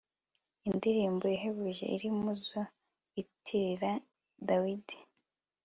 indirimbo ihebuje, iri mu zo bitirira dawudi